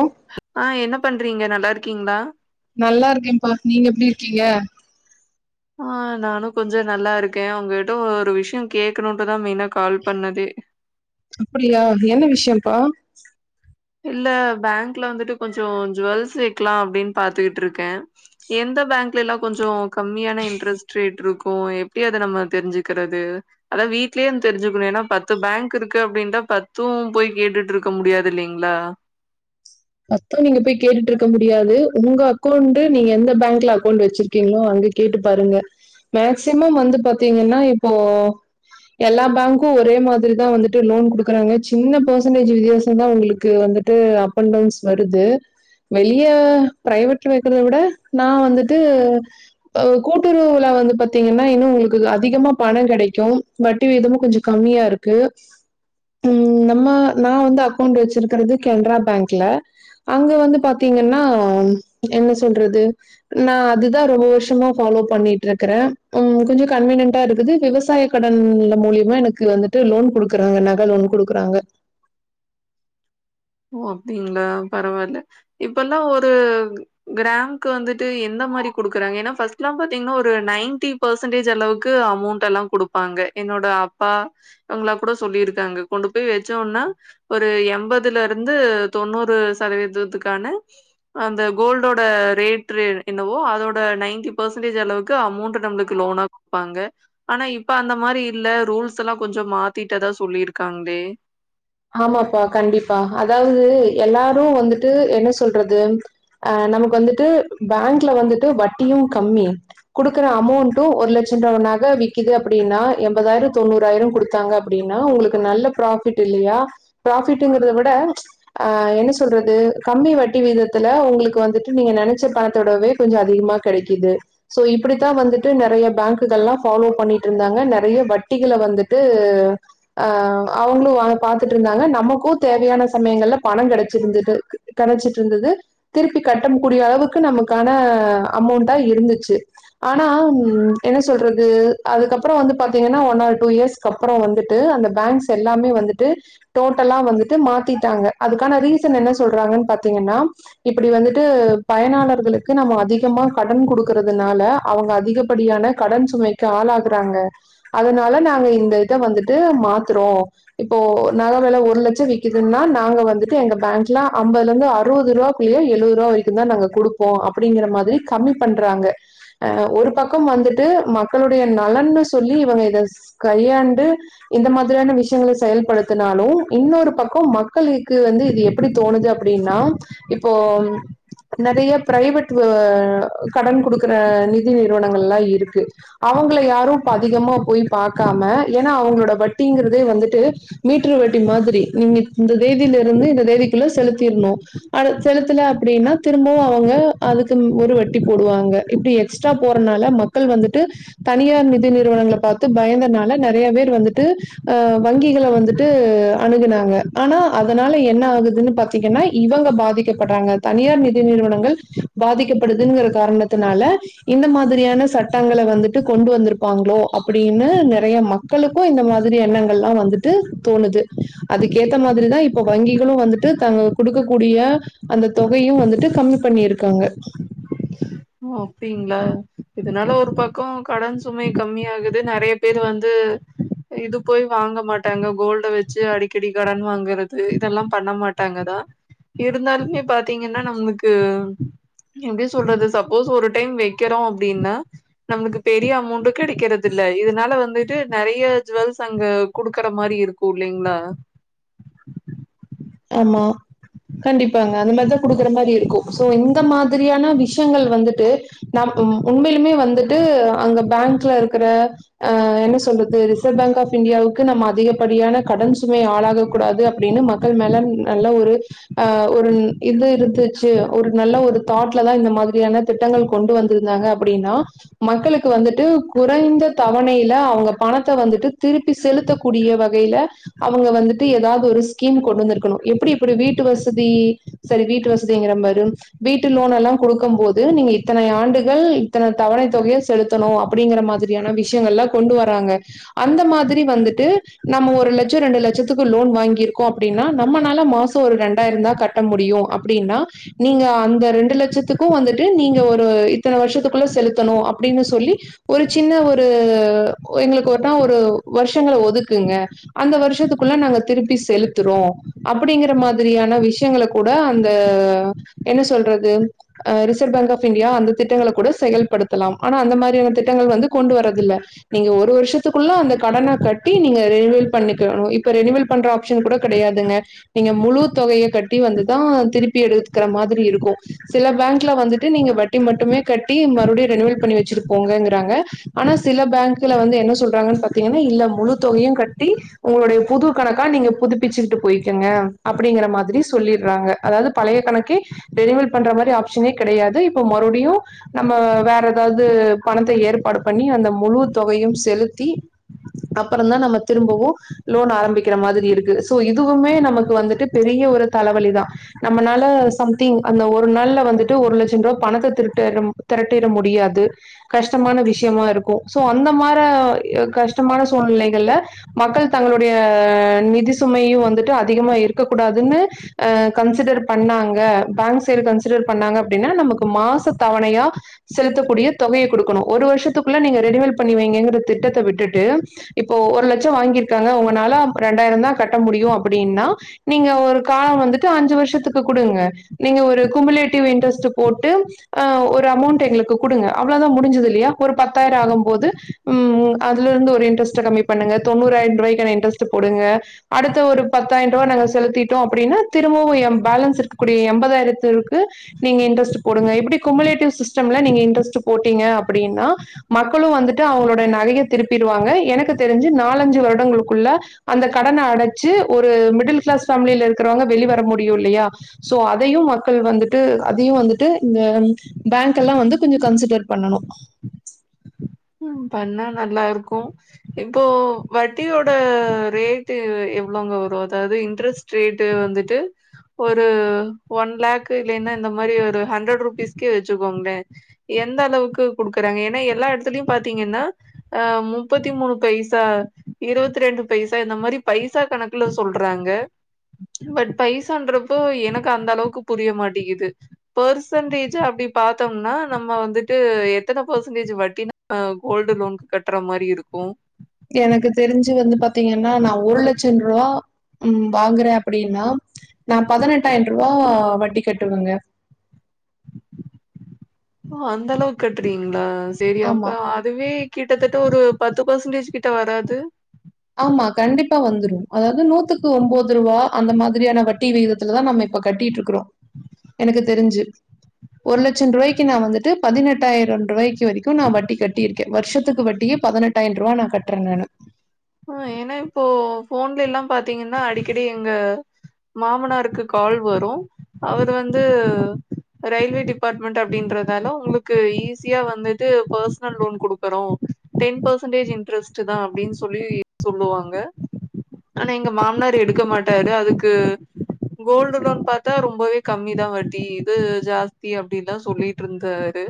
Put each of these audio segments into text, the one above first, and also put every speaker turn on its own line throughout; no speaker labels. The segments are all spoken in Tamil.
ஒ
அ என்ன பண்றீங்க நல்லா இருக்கீங்ளா
நல்லா இருக்கேன்ப்பா நீங்க எப்டி இருக்கீங்க
அ நானு கொஞ்சோ நல்லா இருக்கே உங்ககிட்ட ஒரு விஷயம் கேக்கணும்ட்டுதா மெயின்னா கால் பண்ணதே
அப்புடியா என்ன விஷயம்ப்பா
இல்ல பேங்க்ல வந்துட்டு கொஞ்சோ ஜுவல்ஸ் வெக்கலா அப்டின் பாத்துட்டுருக்கே எந்த பேங்க்ல எல்லா கொஞ்சோ கம்மியான இன்ட்ரெஸ்ட் ரேட் இருக்கு எப்டி அத நம்ம தெரிஞ்சுக்கிறது அதா வீட்லே தெரிஞ்சுக்கணு ஏன்னா பத்து பேங்க் இருக்கு அப்டின்ட்டு பத்தும் போயி கேட்டுட்டு இருக்க முடியாது இல்லிங் ளா
பத்து நீங்க போயி கேட்டுட்டு இருக்க முடியாது உங்க அக்கௌண்ட்டு நீங்க எந்த பேங்க்ல அக்கௌண்ட்டு வச்சிரு கீங்களா வந்து கேட்டு பாருங்க மேக்சிமம் வந்து பாத்தீங்கன்னா இப்போ எல்லா பேங்க்கு ஒரே மாதிரிதா வந்துட்டு லோன் குடுக்கறாங்க சின்ன பர்சன்டேஜ் வித்தியாசந்தா உங்களுக்கு க்கு வந்துட்டு அப் அண்ட் டவுன்ஸ் வருது வெளிய பிரைவேட்ல வெக்கிறத விட நா வந்துட்டு கூட்டுறவுல வந்து பாத்தீங்கன்னா இன்னு உங்களுக்கு அதிகமா பணோ கெடைக்கு வட்டி விகிதமு கொஞ்சோ கம்மியா இருக்கு ம் நம்ம நா வந்து அக்கௌண்ட் வெச்சிருக்கிறது கேன்ட்ரா பேங்க் ல அங்க வந்து பாத்தீங்கன்னா என்ன சொல்றது நா அதுதா ரொம்ப வருஷமா ஃபாலோ பண்ணிட்டு இருக்கறே ம் கொஞ்சோ கன்வீனியன்டா இருக்குது விவசாய கடன் மூலியமா எனக்கு வந்துட்டு லோன் குடுக்கறாங்க நக லோன் குடுக்கறாங்க
ஓ அப்டிங்களா பரவாயில்ல இப்பல்லா ஒரு கிராக்கு வந்துட்டு எந்த மாறி குடுக்கறாங்க ஏன்னா ஃபர்ஸ்ட்ல்லா பாத்தீங்கன்னா ஒரு நைன்டி பர்சன்டேஜ் அளவுக்கு அமௌண்ட் எல்லா குடுப்பாங்க என்னோட அப்பா அவங்களா கூட சொல்லியிருக்காங்க கொண்டு போயி வெச்ச உட்னே ஒரு எம்ப துல இருந்து தொண்ணூறு சதவீதத்துக்கான அந்த கோல்டோட ரேட் ரே என்னவோ அதோட நைன்டி பர்சன்டேஜ் அளவுக்கு அமௌண்ட் நம்மளுக்கு லோனா குடுப்பாங்க ஆனா இப்ப அந்த மாறி இல்ல ரூல்ஸ் எல்லா கொஞ்சோ மாத்திட்டதா சொல்லியிருக்காங்களே
ஆமாப்பா கண்டிப்பா அதாவது எல்லாரு வந்துட்டு என்ன சொல்றது ஆ நமக்கு வந்துட்டு பேங்க்ல வந்துட்டு வட்டியு கம்மி குடுக்குற அமௌண்ட்டு ஒரு லட்ச ரூபா நக விக்குது அப்டின்னா எண்பதாயிர தொண்ணூறாயிர குடுத்தாங்க அப் அப்டின்னா உங்களுக்கு நல்ல பிராபிட் இல்லியா பிராவிட்ங்கறத விட ஆ என்ன சொல்றது கம்மி வட்டி விகிதத்துல உங்களுக்கு வந்துட்டு நீங்க நெனைச்ச பணத்தோடவே கொஞ்சோ அதிகமா கெடைக்கிது சோ இப்டித்தா வந்துட்டு நெறைய பேங்குகல்லா ஃபாலோ பண்ணிட்டு இருந்தாங்க நெறைய வட்டிகள வந்துட்டு ஆ அவங்களு அத பாத் துட்டு இருந்தாங்க நமக்கு தேவையான சமயங்கள்ல பணோ கெடச்சிருந்தது கெடச்சிட்டு இருந்தது திருப்பி கட்ட கூடிய அளவுக்கு நமக்கான அமௌண்டா இருந்துச்சு ஆனா என்ன சொல்றது அதுக்கப்றோ வந்து பாத்தீங்கன்னா ஒன் ஆர் டூ இயர்ஸ் கப்றோ வந்துட்டு அந்த பேங்க்ஸ் எல்லாமே வந்துட்டு டோட்டலா வந்துட்டு மாத்திட்டாங்க அதுக்கான ரீசன் என்ன சொல்றாங்கன்னு பாத்தீங்கன்னா இப்டி வந்துட்டு பயனாளர்களுக்கு நம்ம அதிகமா கடன் குடு க்கறதுனால அவங்க அதிகப்படியான கடன் சுமைக்கு ஆளாகறாங்க அதுனால நாங்க இந்த இத வந்துட்டு மாத்றோ இப்போ நக வெல ஒரு லட்ச விக்குதுன்னா நாங்க வந்துட்டு எங்க பேங்க்ல அம்பதுல இருந்து அறுபது ரூபாக்குள்ளயே எழுவது ரூபா வரை தா நாங்க குடுப்போ அப்டிங்கிற மாரி கம்மி பண்றாங்க ஆ ஒரு பக்கம் வந்துட்டு மக்களுடைய நலன்னு சொல்லி இவங்க இத கையாண்டு இந்த மாதிரியான விஷயங்கள செயல்படுத்தினாலு இன்னொரு பக்கோ மக்களுக்கு வந்து இது எப்டி தோணுது அப்டின்னா இப்போ நெறைய பிரைவேட் கடன் குடுக்கற நிதி நிறுவனங்கள்லா இருக்கு அவங்கள யாரு இப்ப அதிகமா போயி பாக்காம ஏன்னா அவங்களோட வட்டிங்கிறதே வந்துட்டு மீட்டர் வட்டி மாதிரி நீங்க இந்த தேதியில இருந்து இந்த தேதிக்குள்ள செலுத்திரணு அத செலுத்தல அப்டின்னா திரும்பவு அவங்க அதுக்கு ஒரு வட்டி போடுவாங்க இப்டி எக் ஸ்ட்ரா போறனால மக்கள் வந்துட்டு தனியார் நிதி நிறுவனங்கள பாத்து பயந்தனால நெறைய பேர் வந்துட்டு ஆ வங்கிகள வந் துட்டு அணுகுனாங்க ஆனா அதனால என்ன ஆகுதுன்னு பாத்தீங்கன்னா இவங்க பாதிக்கப்பட்றாங்க தனியார் நிதி நிறுவனங்கள் பாதிக்கப்படுதுங்கிற காரணத்துனால இந்த மாதிரியான சட்டங்கள வந்துட்டு கொண்டு வந்திருப்பாங்களோ அப்டின்னு நெறைய மக் க்களுக்கு இந்த மாதிரி எண்ணங்கள்லா வந்துட்டு தோணுது அதுக்கேத்த மாதிரிதா இப்போ வங்கிகளு வந்துட்டு தங்க குடுக்க கூடிய அந்த தொகையு வந்துட்டு கம்மி பண்ணிருக்காங்க
ஒ அப்டிங்ளா இதனால ஒரு பக்கோ கடன் சுமை கம்மியாகுது நெறைய பேர் வந்து இது போய் வாங்க மாட்டாங்க கோல்ட வச்சு அடிக்கடி கடன் வாங்கறது இதெல்லா பண்ண மாட்டாங்கதா இருந்தாலுமே பாத்தீங்கன்னா நம்ளுக்கு எப்டி சொல்றது சப் போஷ் ஒரு டைம் வெக்கிறோ அப்டின்னா நம்ளுக்கு பெரிய அமௌண்டு கெடைக்கிறது இல்ல இதுனால வந்துட்டு நெறைய ஜுவல்ஸ் அங்க குடுக்குற மாரி இருக் கூலிங்ளா
ஆமா கண்டிப்பாங்க அந்த மார்தா குடுக்கற மாதி இருக்கூ சோ இந்த மாதிரியான விஷயங்கள் வந்துட்டு நம் ம் உண்மைலுமே வந்துட்டு அங்க பேங்க்ல இருக்கிற ஆ என்ன சொல்றது ரிசர்வ் பேங்க் ஆஃப் இந்தியாவுக்கு நம்ம அதிகப்படியான கடன் சுமை ஆளாக கூடாது அப்டின்னு ம க்கள் மேல நல்ல ஒரு அ ஒரு இது இருந்துச்சு ஒரு நல்ல ஒரு தாட்லதா இந்த மாதிரியான திட்டங்கள் கொண்டு வந்திருந்தாங்க அப்டின்னா மக்களுக்கு வந்துட்டு குறைந்த தவணைல அவ்ங்க பணத்த வந்துட்டு திருப் பி செலுத்தக்கூடிய வகைல அவங்க வந்துட்டு எதாது ஒரு ஸ் கீம் கொண்டு வந்திருக்கணு எப்பிடி இப்டி வீட்டு வசதி சாரி வீட்டு வசதிங்கிற பாரு வீட்டு லோன் எல்லா குடுக்கம் போது நீங்க இத்தனை ஆண்டுகள் இத்தன தவணை தொகைய ஸ் செலுத்தணு அப்டிங்கிற மாதிரியான விஷயங்கள்லா கொண்டு வர்ராங்க அந்த மாதிரி வந்துட்டு நம்ம ஒரு லட்ச ரெண்டு லட்சத்துக்கு லோன் வாங்கிருக் கோ அப்டின்னா நம்மனால மாசோ ஒரு ரெண்டாய்ரந்தா கட்ட முடியு அப்டின்னா நீங்க அந்த ரெண்டு லட்சத்துக்கு வந்துட்டு நீங்க ஒரு இத்தன வருஷத்துக்குள்ள செலுத்தணு அப்டின்னு சொல்லி ஒரு சின்ன ஒரு எங்ளுக்கு ஒருட்டா ஒரு வருஷங்கள ஒதுக்குங்க அந்த வருஷத்துக்குள்ள நாங்க திருப்பி செலு துறுவோ அப்புடிங்கிற மாதிரியான விஷ்யங்கள கூட அந்த என்ன சொல்றது அ ரிசர்வ் பேங்க் ஆஃப் இந்தியா அந்த திட்டங்கள கூட செயல்படுத்தலாம் ஆனா அந்த மாரியான திட்டங்கள் வந்து கொண்டு வரதில்ல நீங்க ஒரு வருஷத்துக்குள்ள அந்த கடன கட்டி நீங்க ரெனிவல் பண்ணிக்கணு இப்ப ரெனிவல் பண்ற ஆப்ஷன் கூட கெடையாதுங்க நீங்க முழு தொகையு கட்டி வந்துதா திருப்பி எடுத்துக்கிற மாதிரி இருக்கு சில பேங்க்ல வந்துட்டு நீங்க வட்டி மட்டுமே கட்டி மறுபடியு ரெனுவல் பண்ணி வெச்சிருக்கோங்கிறாங்க ஆனா சில பேங்க்ல வந்து என்ன சொல்றாங்கன் பாத்தீங்கனா இல்ல முழு தொகையு கட்டி ஒங்களுடைய புது கணக்கா நீங்க புதுப் பிச்சுக்கிட்டு போய்க்கங்க அப்டிங்கிற மாதிரி சொல்லிட்றாங்க அதாவ்து பழைய கணக்கே ரெனிவல் பண்ற மாரி ஆப்ஷனே கெடையாது இப்ப மறுபடியு நம்ம வேற எதாவ்து பணத்த ஏற்பாடு பண்ணி அந்த முழு தொகையும் செலுத்தி அப்பறந்தா நம்ம திரும்பவு லோன் ஆரம்பிக்கிற மாதிரி இருக்கு சோ இதுவுமே நமக்கு வந்துட்டு பெரிய ஒரு தலைவலி தா நம்மளால சம்திங் அந்த ஒரு நாள்ல வந்துட்டு ஒரு லட்சோன்றுவா பணத்த திரட்டிற மு திரட்டிற முடியாது கஷ்டமான விஷ்யமாருக்கூ சோ அந்த மாரே கஷ்டமான சூழ்நிலைகள்ல மக்கள் தங்களுடைய நிதி சுமையு வந்துட்டு அதிகமா இருக்க கூடாதுன்னு அ கன்சிடர் பண்ணாங்க பேங்க் சைடு கன்சிடர் பண்ணாங்க அப்டின்னா நமக்கு மாச தவணையா செலுத்தக்கூடிய தொகைய குடுக்கணு ஒரு வர்ஷத்துக்குள்ள நீங்க ரெனிவல் பண்ணி வைங்கங்கிற திட்டத்த விட்டுட்டு இப்போ ஒரு லட்சோ வாங்கீர்க்காங்க உங்கனால ரெண்டாய்ரந்தா கட்ட முடியு அப்பிடின்னா நீங்க ஒரு காலோ வந்துட்டு அஞ்சு வர்ஷத்துக்கு குடுங்க நீங்க ஒரு குமுலேட்டிவ் இன்ட்ரஸ்ட்டு போட்டு ஆ ஒரு அமௌண்ட்டு எங்களுக்கு குடுங்க அவ்ள தா முடிஞ்சிது இல்லியா ஒரு பத்தாய்ரோ ஆகம்போது ம் அதுலிர்ந்து ஒரு இன்ட்ரஸ்ட்ட கம்மி பண்ணுங்க தொண்ணூறாய்ன்ருவாய்க்கான இன்ட்ரஸ்ட்டு போடுங்க அடுத்த ஒரு பத்தாய்ன்ருவா நாங்க செலுத்திட்டோ அப்பிடினா திரும்பவு எ பேலன்ஸ் இருக்கக்கூடிய எம்பதாய்ரத்திற்கு நீங்க இன்ட்ரஸ்ட்டு போடுங்க இப்டி குமுலேட்டிவ் சிஸ்டம்ல நீங்க இன்ட்ரஸ்ட்டு போட்டீங்க அப்பிடின்னா மக்களு வந்துட்டு அவுங்களோட நகைய திருப்பிருவாங்க எனக்கு தெரிஞ்சு நாலஞ்சு வருடங்களுக்குள்ள அந்த கடன அடச்சு ஒரு மிடில் கிளாஸ் ஃபேம்லில இருக்கறவங்க வெளி வர முடியு இல்லியா சோ அதையு மக்கள் வந்துட்டு அதையு வந்துட்டு இந்த பேங்க் எல்லா வந்து கொஞ்ச கன்சிடர் பண்ணனு
ம் பண்ணா நல்லார்க்கு இப்போ வட்டியோட ரேட்டு எவ்ளோங்க வரு அதாவ்து இன்ட்ரெஸ்ட் ரேட்டு் வந்துட்டு ஒரு ஒன் லேக் இல்லைன்னா இந்த மாரி ஒரு ஹண்ட்ரட் ருபீஸ்க்கே வெச்சுக்கோங்ளே எந்தளவுக்கு குடுக்கறாங்க ஏனா எல்லா எடத்துலயு பாத்தீங்கன்னா அ முப்பத்தி மூணு பைசா இருவத்ரெண்டு பைசா இந்த மாரி பைசா கணக் குல சொல்றாங்க பட் பைசான்றப்போ எனக்கு அந்தளவுக்கு புரிய மாட்டிகிது பர்சன்டேஜு அப்டி பாத்தம்னா நம்ம வந்துட்டு எத்தன பர்சன்டேஜு வட்டி நா ம கோல்டு லோன்க்கு கட்ற மாரி இருக்கு
எனக்கு தெரிஞ்சு வந்து பாத்தீங்கன்னா நா ஒரு லட் சன்ருவா ம் வாங்குறே அப்பிடின்னா நா பதனெட்டாயன்ருவா வட்டி கட்டுவங்க
ஓ அந்தளவுக் கட்றீங்ளா செரி
ஆமா.
அப்ப அதுவே கிட்டத்தட்ட ஒரு பத்து பர்சன்டேஜ் கிட்ட வராது
ஆமா கண்டிப்பா வந்துரு அதாவ்து நூத்துக்கு ஒம்போதுருவா அந்த மாதிரியான வட்டி விகித த்துல தா நம்ம இப்ப கட்டீட்ருக்குறோ எனக்கு தெரிஞ்சு ஒரு லட்சன்ருவாய்க்கு நா வந்துட்டு பதினெட்டாயிரன்ருவாய்க் கு வரைக்கு நா வட்டி கட்டீர்க்கே வர்ஷத்துக்கு வட்டியே பதனெட்டாய்ன்ருவா நா கட்றே நானு
ஆ ஏனா இப்போ ஃபோன்லெல்லா பாத்தீங்கன்னா அடிக்கடி எங்க மாமனாருக்கு கால் வரு அவர் வந்து ரயில்வே டிபார்ட்மெண்ட் அப்டின்றதால உங்ளுக்கு ஈஸியா வந்துட்டு பர்சனல் லோன் குடுக்கறோ டென் பர்சன்டேஜ் இன்ட்ரெஸ்ட்டு தா அப்டின் சொல்லி சொல்லுவாங்க ஆனா எங்க மாமனார் எடுக்க மாட்டாரு அதுக்கு கோல்டு லோன் பாத்தா ரொம்பவே கம்மி தா வட்டி இது ஜாஸ்தி அப்டின்ல்லா சொல்லீ ட்ருந்தாரு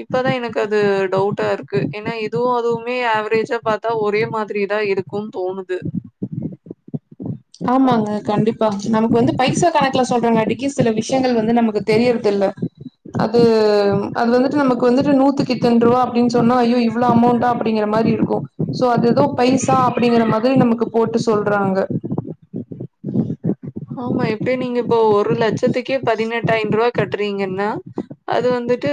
இப்பதா எனக்கு அது டவுட்டா இருக்கு ஏனா இதுவு அதுவுமே ஏவ்ரேஜா பாத்தா ஒரே மாதிரிதா இருக்கு தோணுது
ஆமாங்க கண்டிப்பா நமக் வந்து பைசா கணக்குல சொல்றாங்காட்டிக்கு சில விஷ்யங்கள் வந்து நமக்கு தெரியற்தில்ல அது அது வந்துட்டு நமக் வந்துட்டு நூத்துக் இத்தன் ருவா அப்டின் சொன்னா ஐயோ இவ்ளோ அமௌண்ட்டா அப்டிங்கிற மாரி இருக்கு சோ அது எதோ பைசா அப்டிங்கிற மாதிரி நமக்கு போட்டு சொல்றாங்க
ஆமா எப்டியு நீங்க இப்போ ஒரு லட்சத்துக்கே பதினெட்டாய்ன்ருவா கட்றீங்கன்னா அது வந்துட்டு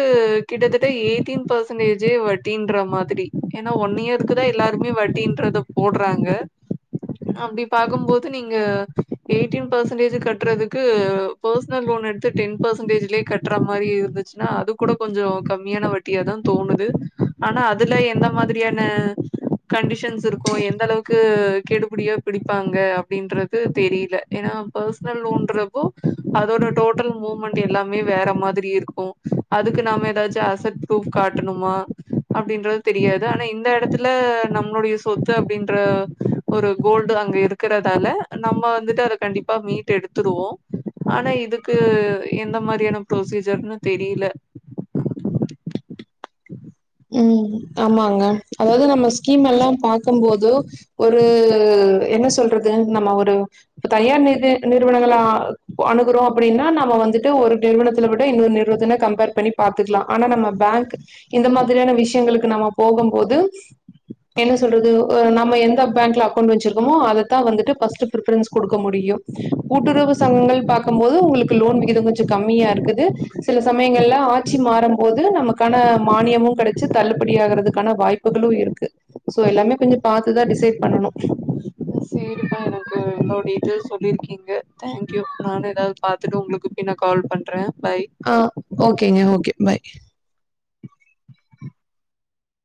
கிட்டத்தட்ட எய்ட்டீன் பர்சன்டேஜே வட்டின்ற மாதிரி ஏன்னா ஒன்னு இயருக்கு தா எல்லாருமே வட்டின்றத போட்றாங்க அப்டி பாக்குபோது நீங்க ஃபிஃப்டின் பெர்ஸன்ட்டேஜ் கட்றதுக்கு பர்சனல் லோன் எடுத்து டென் பெர்ஸன்ட்டேஜ்லயே கட்ற மாரி இருந்துச்சுனா அதுக்கு கூட கொஞ்சோ கம்மியான வட்டியாதா தோணுது ஆனா அதுல எந்த மாதிரியான கண்டிஷன்ஸ் இருக்கு எந்த அளவுக்கு கெடுபிடியா பிடிப்பாங்க அப்டின்றது தெரில ஏன்னா பெர்ஸ்னல் லோன்றப்போ அதோட டோட்டல் மூமெண்ட் எல்லாமே வேற மாதிரி இருக்கு அதுக்கு நாம எதாச்சு அசட் ப்ரூப் காட்டணுமா அப்டின்றது தெரியாது ஆனா இந்த இடத்துல நம்மளுடைய சொத்து அப்டின்ற ஒரு கோல்டு அங்க இருக்குறதால நம்ம வந்துட்டு அது கண்டிப்பா மீட் எடுத்துடுவோ ஆனா இதுக்கு எந்த மாரியான ப்ரொசீஜர்ன்னு தெரியல
ம் ஆமாங்க அதாவது நம்ம ஸ்கீம் எல்லா பாக்கு போது ஒரு என்ன சொல்றது நம்ம ஒரு தனியார் நி நிறு நிறுவனங்கள அணுகுறோ அப்டின்னா நம்ம வந்துட்டு ஒரு நிறுவனத்துல விட இன்னொரு நிறுவத்துல கம்பேர் பண்ணி பாத்துக்லா ஆனா நம்ம பேங்க் இந்த மாதிரியான விஷயங்களுக்கு நம்ம போகும்போது என்ன சொல்றது நம்ம எந்த பேங்க்ல அக்கௌண்ட் வச்சிருக்கமோ அததா வந்துட்டு ஃபர்ஸ்ட் பிரிஃபரன்ஸ் குடுக்க முடியு கூட்டுறவு சங்கங்கள் பாக்குபோது உங்களுக்கு லோன் விகித கொஞ்சோ கம்மியா இருக்குது சில சமயங்கள்ல ஆட்சி மாறு போது நமக்கான மானியமு கெடச்சி தள்ளுபடி ஆகறதுக்கான வாய்ப்புகளு இருக்கு சோ எல்லாமே கொஞ்சோ பாத்துதா டிசைட் பண்ணனு
சேரிக்கா எனக்கு என்னோட இது சொல்லிருக்கீங்க தேங்க்யூ நானு எதாவது பாத்துட்டு உங்களுக்கு பின்ன கால் பண்ற பாய்
அ ஓகேங்க ஓகே பாய்